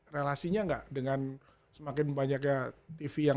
relasinya nggak dengan semakin banyaknya tv yang